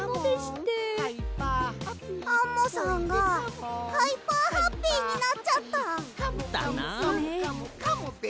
アンモさんがハイハーハッピーになっちゃった。だな。ですね。